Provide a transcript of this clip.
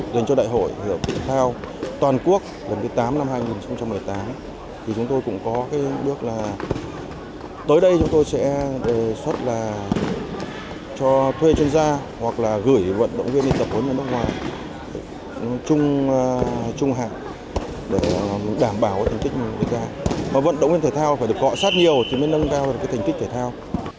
để đảm bảo thành tích nước ta vận động viên thể thao phải được gọi sát nhiều thì mới nâng cao thành tích thể thao